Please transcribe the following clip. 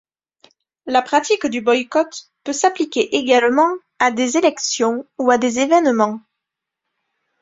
La pratique du boycott peut s'appliquer également à des élections ou à des événements.